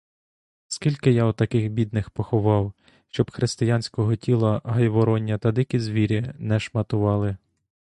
Скільки я таких бідних поховав, щоб християнського тіла гайвороння та дикі звірі не шматували.